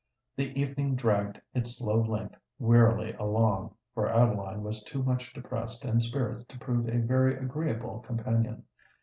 The evening dragged its slow length wearily along; for Adeline was too much depressed in spirits to prove a very agreeable companion.